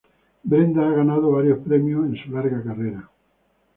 Brenda ha ganado varios premios en su larga carrera.